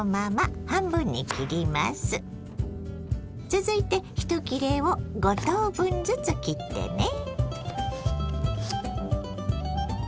続いて１切れを５等分ずつ切ってね。